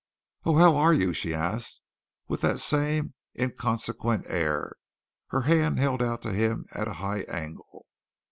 "Oh, how are you?" she asked, with that same inconsequent air, her hand held out to him at a high angle.